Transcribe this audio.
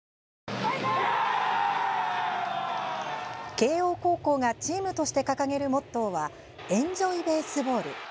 慶応高校がチームとして掲げるモットーはエンジョイ・ベースボール。